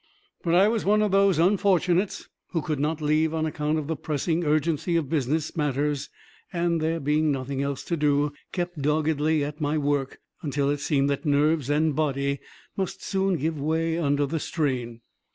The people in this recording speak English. But I was one of those unfortunates who could not leave on account of the pressing urgency of business matters and, there being nothing else to do, kept doggedly at my work until it seemed that nerves and body must soon give way under the strain.